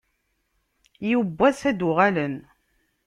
Yiwen n wass ad d-uɣalen.